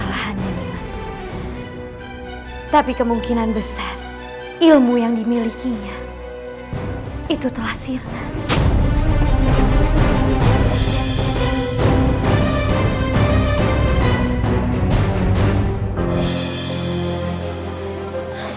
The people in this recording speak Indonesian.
jaga dewa batara dari mana kau mendapatkan pusaka roda emas